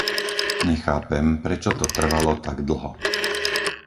Nechápem, prečo to trvalo tak dlho.